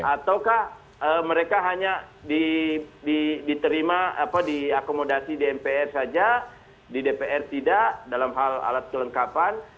ataukah mereka hanya diterima diakomodasi di mpr saja di dpr tidak dalam hal alat kelengkapan